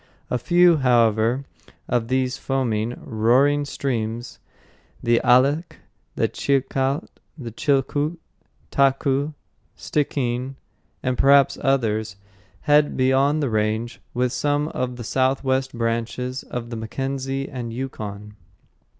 A few, however, of these foaming, roaring streams—the Alsek, Chilcat, Chilcoot, Taku, Stickeen, and perhaps others—head beyond the range with some of the southwest branches of the Mackenzie and Yukon.